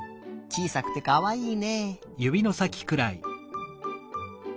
ちいさくてかわいいね。